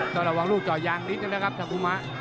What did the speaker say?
ต้องระวังลูกจ่อยางนิดนึงนะครับทาคุมะ